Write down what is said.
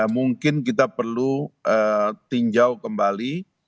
mungkin kita perlu tinjau kembali